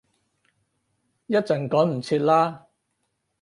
一陣趕唔切喇